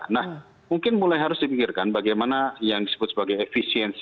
nah mungkin mulai harus dipikirkan bagaimana yang disebut sebagai efisiensi